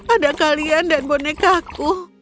ada kalian dan bonekaku